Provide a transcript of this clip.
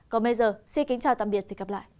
còn bây giờ xin kính chào tạm biệt và hẹn gặp lại